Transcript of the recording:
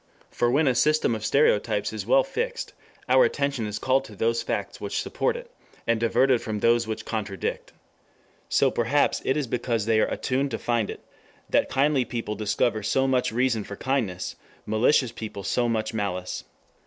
For when a system of stereotypes is well fixed, our attention is called to those facts which support it, and diverted from those which contradict. So perhaps it is because they are attuned to find it, that kindly people discover so much reason for kindness, malicious people so much malice.